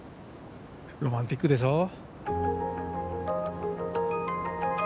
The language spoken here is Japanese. ロマンチックでしょう。